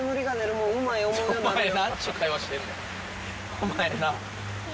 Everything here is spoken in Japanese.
お前な。